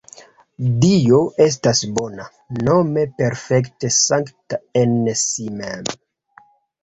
Dio estas bona, nome perfekte sankta en si mem.